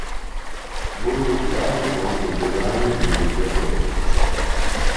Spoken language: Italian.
Molto curato fu anche il design degli oggetti elettrici.